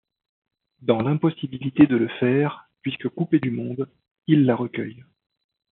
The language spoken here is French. Dans l'impossibilité de le faire, puisque coupés du monde, ils la recueillent.